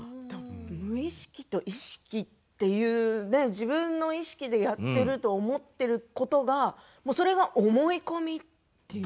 意識と無意識というね自分の意識でやっていることがそれが思い込みっていうか。